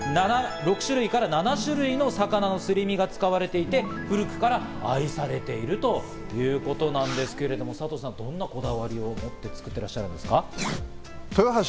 ６種類から７種類の魚のすり身が使われていて、古くから愛されているということなんですけれども、どんなこだわりを持って作ってらっしゃるんですか、佐藤さん。